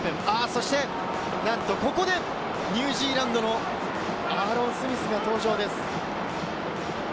そして、ここでニュージーランドのアーロン・スミスが登場です。